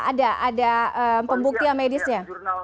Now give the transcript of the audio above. ada ada pembuktian medisnya